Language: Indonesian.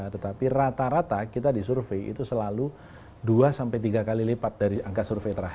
tetapi rata rata kita di survei itu selalu dua tiga kali lipat dari angka survei terakhir